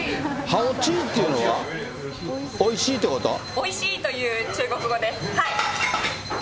ハオチーっていうのは、おいおいしいという中国語です。